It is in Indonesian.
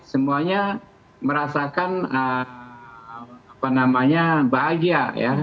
semuanya merasakan bahagia